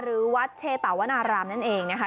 หรือวัดเชตวนารามนั่นเองนะคะ